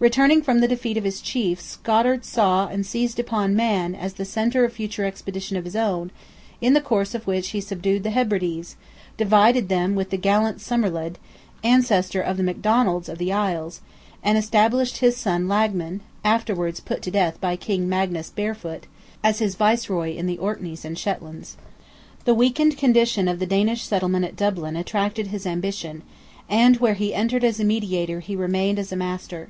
Returning from the defeat of his chiefs, Godard saw and seized upon Man as the centre of future expeditions of his own, in the course of which he subdued the Hebrides, divided them with the gallant Somerled (ancestor of the MacDonalds of the Isles), and established his son Lagman (afterwards put to death by King Magnus Barefoot) as his viceroy in the Orkneys and Shetlands. The weakened condition of the Danish settlement at Dublin attracted his ambition, and where he entered as a mediator he remained as a master.